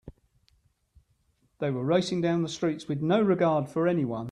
They were racing down the streets with no regard for anyone.